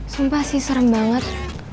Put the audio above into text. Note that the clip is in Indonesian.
sumpah sih serem banget